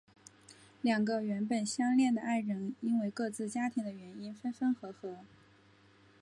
两个原本相恋的爱人因为各自家庭的原因分分合合。